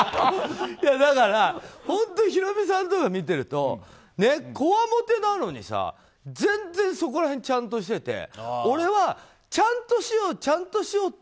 本当、ヒロミさんとか見てるとこわもてなのに全然、そこら辺ちゃんとしてて。俺はちゃんとしようちゃんとしようって